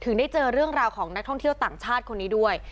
ได้เจอเรื่องราวของนักท่องเที่ยวต่างชาติคนนี้ด้วย